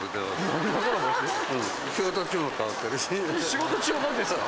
仕事中もですか？